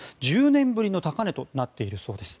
１０年ぶりの高値となっているそうです。